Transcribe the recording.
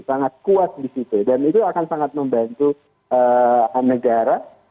sangat kuat di situ dan itu akan sangat membantu negara